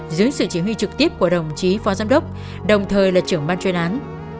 dưới sự chỉ huy trực tiếp của đồng chí phó giám đốc đồng thời là trưởng ban chuyên án